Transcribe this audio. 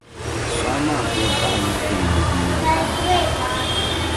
Sɔɣu maa kuli baɣila duuno bia maa gbini.